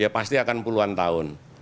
pasti akan puluhan tahun